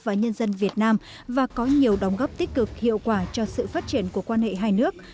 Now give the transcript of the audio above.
và nhân dân việt nam và có nhiều đóng góp tích cực hiệu quả cho sự phát triển của quan hệ hai nước